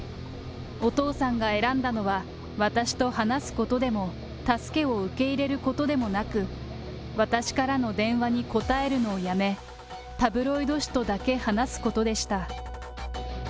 お父さんが選んだのは、私と話すことでも、助けを受け入れることでもなく、私からの電話に答えるのをやめ、タブロイド紙とだけ話すことでした。